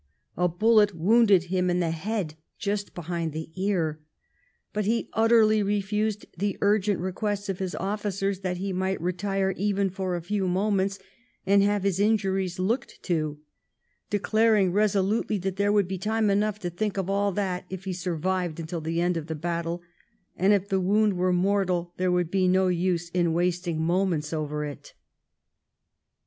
A bullet wounded him in the head just behind the ear, but he utterly refused the urgent requests of his officers that he would retire even for a few monients and have his injuries looked to, declaring resolutely that there would be time enough to think of all that if he survived until the end of the battle, and if the wound were mortal there would be no use in wasting moments over it.